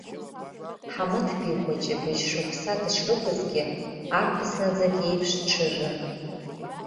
Ҳамыҭбеи хәыҷы быжьшықәса дышрықәызгьы, арԥыс наӡак иеиԥш дҽыжәын.